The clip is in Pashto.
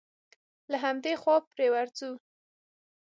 له همدې خوا پرې ورځو.